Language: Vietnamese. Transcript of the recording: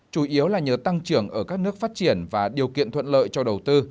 chủ yếu là nhờ tăng trưởng ở các nước phát triển và điều kiện thuận lợi cho đầu tư